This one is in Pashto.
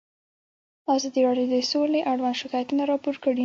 ازادي راډیو د سوله اړوند شکایتونه راپور کړي.